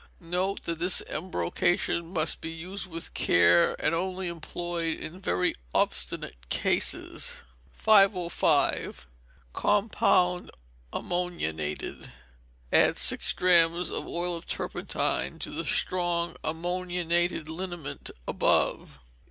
Note that this embrocation must be used with care, and only employed in very obstinate cases. 505. Compound Ammoniated. Add six drachms of oil of turpentine to the strong ammoniated liniment above.